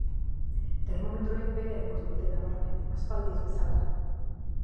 Termometroek behera egin dute nabarmen, aspaldi ez bezala.